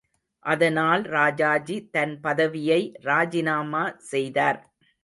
அதனால் ராஜாஜி தன் பதவியை ராஜிநாமா செய்தார்.